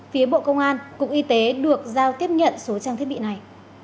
phía bộ công an cục y tế được giao tiếp nhận số trang thiết bị này